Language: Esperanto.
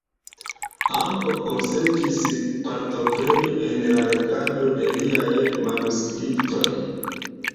Ambaŭ konsentis partopreni en la legado de liaj manuskriptoj.